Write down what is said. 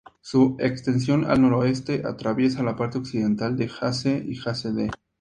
Su extensión al noroeste atraviesa la parte occidental de Hase y "Hase D".